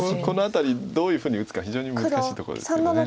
この辺りどういうふうに打つか非常に難しいところですけど。